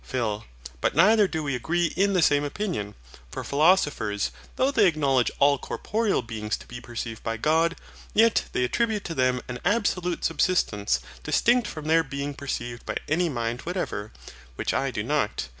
PHIL. But neither do we agree in the same opinion. For philosophers, though they acknowledge all corporeal beings to be perceived by God, yet they attribute to them an absolute subsistence distinct from their being perceived by any mind whatever; which I do not.